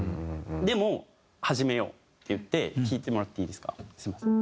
でも「始めよう」って言って弾いてもらっていいですか？